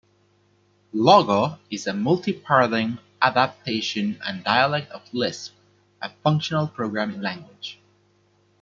Logo is a multi-paradigm adaptation and dialect of Lisp, a functional programming language.